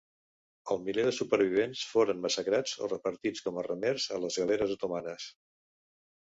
El miler de supervivents foren massacrats o repartits com a remers a les galeres otomanes.